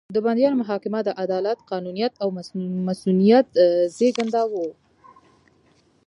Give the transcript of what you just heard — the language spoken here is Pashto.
د بندیانو محاکمه د عدالت، قانونیت او مصونیت زېږنده وو.